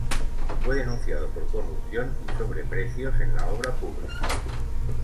Fue denunciado por corrupción y sobreprecios en la obra pública.